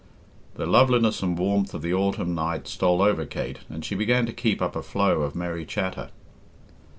The lovelinese and warmth of the autumn night stole over Kate, and she began to keep up a flow of merry chatter.